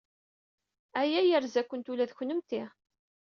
Aya yerza-kent ula d kennemti.